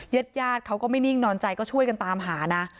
ญาติญาติเขาก็ไม่นิ่งนอนใจก็ช่วยกันตามหานะ